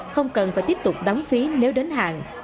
không cần phải tiếp tục đóng phí nếu đến hàng